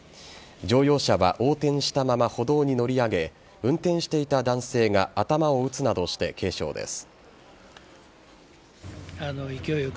乗用車は横転したまま歩道に乗り上げ運転していた男性が頭を打つなどして軽傷です。